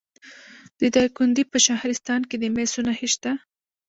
د دایکنډي په شهرستان کې د مسو نښې شته.